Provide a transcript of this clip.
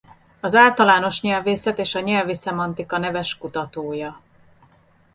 Az általános nyelvészet és a nyelvi szemantika neves kutatója.